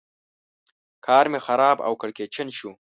کار مې خراب او کړکېچن شو.